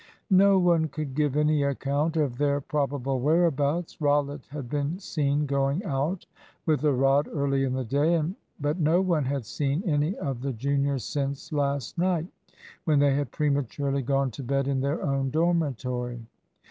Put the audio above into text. No one could give any account of their probable whereabouts. Rollitt had been seen going out with a rod early in the day, but no one had seen any of the juniors since last night, when they had prematurely gone to bed in their own dormitory.